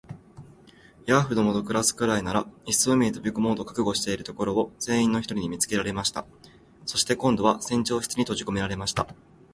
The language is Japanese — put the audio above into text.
ヤーフどもと暮すくらいなら、いっそ海へ飛び込もうと覚悟しているところを、船員の一人に見つけられました。そして、今度は船長室にとじこめられました。